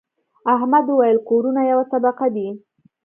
احمد وويل: کورونه یوه طبقه دي.